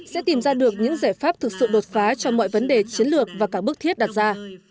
sẽ tìm ra được những giải pháp thực sự đột phá cho mọi vấn đề chiến lược và cả bức thiết đặt ra